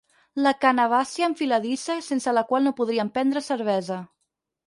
La cannabàcia enfiladissa sense la qual no podríem prendre cervesa.